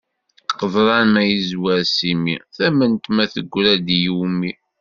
Qeḍran ma yezwer s imi, tament ma teggra-d i wumi.